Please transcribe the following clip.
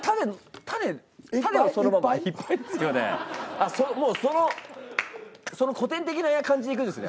あっもうそのその古典的な感じでいくんですね。